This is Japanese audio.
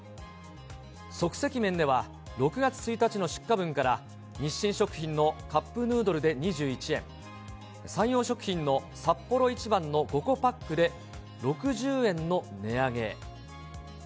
即席麺では６月１日の出荷分から、日清食品のカップヌードルで２１円、サンヨー食品のサッポロ一番の５個パックで６０円の値上げ。